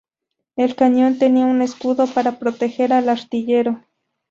El cañón tenía un escudo para proteger al artillero.